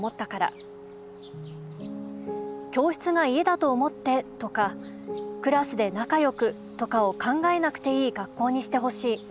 『教室が家だと思って』とか『クラスで仲よく』とかを考えなくていい学校にしてほしい。